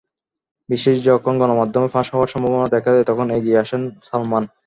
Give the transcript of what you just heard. বিষয়টি যখন গণমাধ্যমে ফাঁস হওয়ার সম্ভাবনা দেখা দেয়, তখন এগিয়ে আসেন সালমান।